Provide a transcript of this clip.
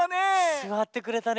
すわってくれたね。